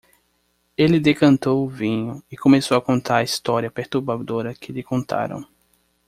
Ele decantou o vinho e começou a contar a história perturbadora que lhe contaram.